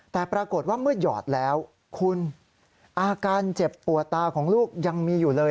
แต่ปรากฏว่าเมื่อหยอดแล้วคุณอาการเจ็บปวดตาของลูกยังมีอยู่เลย